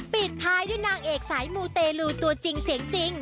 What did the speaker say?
ปิดท้ายด้วยนางเอกสายมูเตลูตัวจริงเสียงจริง